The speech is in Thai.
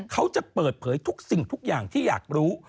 เขาจะเปิดเผยทุกสิ่งทุกอย่างที่อยากรู้